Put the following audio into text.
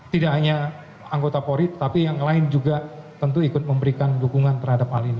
tidak hanya anggota polri tapi yang lain juga tentu ikut memberikan dukungan terhadap hal ini